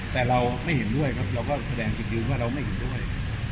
แต่เราไม่เห็นด้วยครับเราก็แสดงจุดยืนว่าเราไม่เห็นด้วย